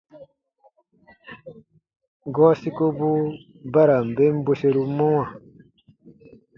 Gɔɔ sikobu ba ra n ben bweseru mɔwa.